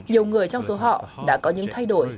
nhiều người trong số họ đã có những thay đổi